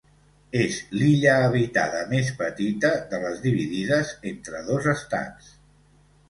És l'illa habitada més petita de les dividides entre dos estats.